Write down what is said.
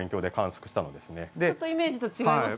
ちょっとイメージと違います。